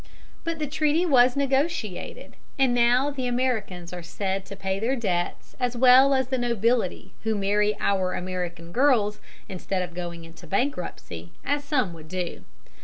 But the treaty was negotiated, and now the Americans are said to pay their debts as well as the nobility who marry our American girls instead of going into bankruptcy, as some would do.